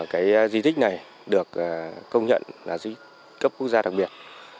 cái di tích này được công nhận là di cấp quốc gia đặc biệt